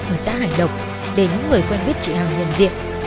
ở xã hải lộc để những người quen biết chị hằng nhận diện